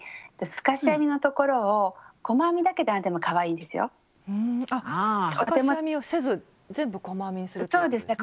透かし編みをせず全部細編みにするってことですね。